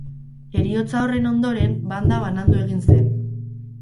Heriotza horren ondoren, banda banandu egin zen.